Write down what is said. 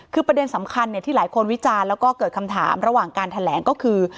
คือประเด็นสำคัญที่หลายคนวิจารณ์แล้วก็เกิดคำถามระหว่างการแถลงก็คือ